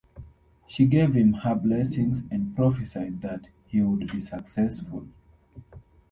She gave him her blessings and prophesied that he would be successful.